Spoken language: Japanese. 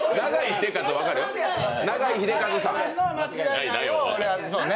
長井秀和さんのね。